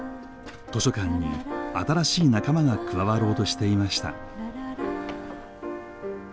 図書館に新しい仲間が加わろうとしていました。